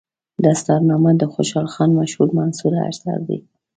دستارنامه د خوشحال خان مشهور منثور اثر دی.